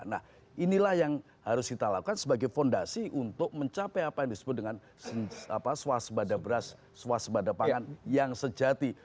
nah inilah yang harus kita lakukan sebagai fondasi untuk mencapai apa yang disebut dengan swasebada beras swasebada pangan yang sejati